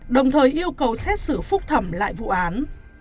đồng thời yêu cầu xét xử phúc thẩm lại vụ án